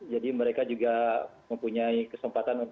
jadi mereka juga mempunyai kesempatan